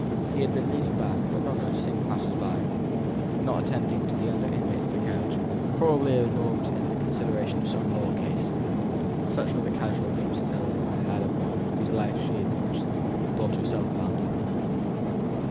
He had been leaning back, not noticing the passers by, not attending to the other inmates of the carriage, probably absorbed in the consideration of some law case. Such were the casual glimpses Ellinor had of one with whose life she had once thought herself bound up.